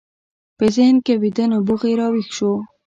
په ذهن کې ويده نبوغ يې را ويښ شو.